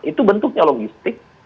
itu bentuknya logistik